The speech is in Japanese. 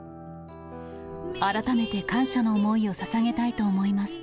改めて感謝の思いをささげたいと思います。